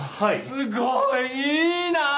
すごいいいな！